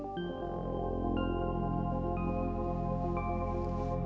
dan mutationnya orang lainbulan